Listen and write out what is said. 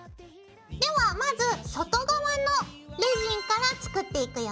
ではまず外側のレジンから作っていくよ。